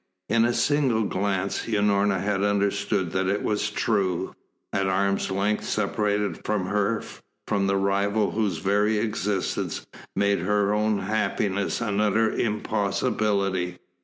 In a single glance Unorna had understood that it was true. An arm's length separated her from the rival whose very existence made her own happiness an utter impossibility.